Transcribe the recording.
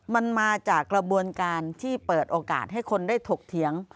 มันมาจากกระบวนการที่เปิดโอกาสให้คนได้ถกเถียง